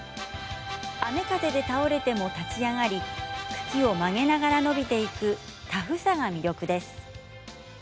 雨風で倒れても立ち上がり茎を曲げながら伸びていくタフさが魅力です。